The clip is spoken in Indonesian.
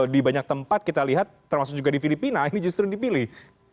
di banyak tempat kita lihat termasuk juga di filipina ini justru dipilih